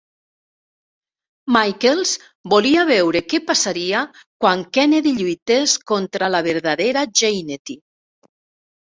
Michaels volia veure què passaria quan Kennedy lluités contra la verdadera Jannetty.